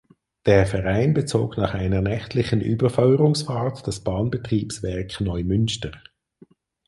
Der Verein bezog nach einer nächtlichen Überführungsfahrt das Bahnbetriebswerk Neumünster.